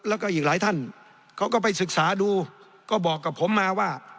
แล้วก็อีกหลายท่านเขาก็ไปศึกษาดูก็บอกกับผมมาว่า